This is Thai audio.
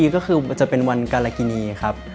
ก็คือจะเป็นวันการากินีครับ